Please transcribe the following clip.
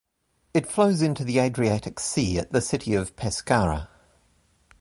It flows into the Adriatic Sea at the city of Pescara.